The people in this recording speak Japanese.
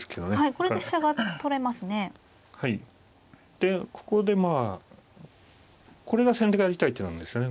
でここでまあこれが先手がやりたい手なんですよね。